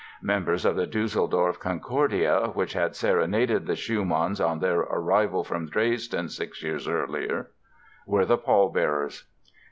Members of the Düsseldorf "Concordia", which had serenaded the Schumanns on their arrival from Dresden six years earlier, were the pallbearers.